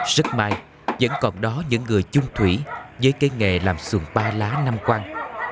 rất may vẫn còn đó những người chung thủy với cái nghề làm xuồng ba lá nam quang